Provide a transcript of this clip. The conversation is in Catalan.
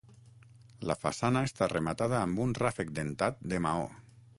La façana està rematada amb un ràfec dentat de maó.